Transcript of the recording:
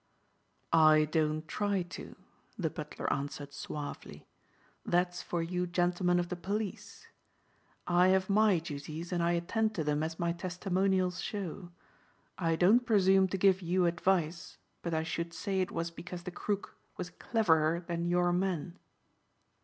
"I don't try to," the butler answered suavely, "that's for you gentlemen of the police. I have my duties and I attend to them as my testimonials show. I don't presume to give you advice but I should say it was because the crook was cleverer than your men."